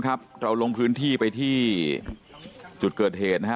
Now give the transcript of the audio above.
ครับทางนู้นครับคุณตา